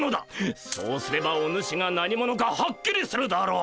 そうすればお主が何者かはっきりするだろう！